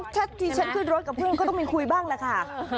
ถ้าตีชั้นขึ้นรถกับพี่หลงเขาต้องมีแบบนี้บ้างแหละค่ะ